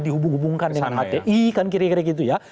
dihubung hubungkan dengan hti kan kira kira gitu ya